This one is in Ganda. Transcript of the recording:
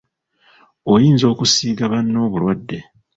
Oyinza okusiiga banno obulwadde.